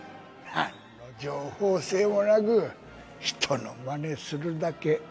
なんの情報性もなく、人のまねするだけ。